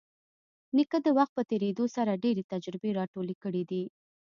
نیکه د وخت په تېرېدو سره ډېرې تجربې راټولې کړي دي.